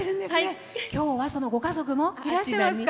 今日は、そのご家族もいらしてますか。